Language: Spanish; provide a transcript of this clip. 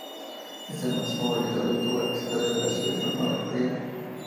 Es el máximo goleador de toda la historia de la selección norcoreana.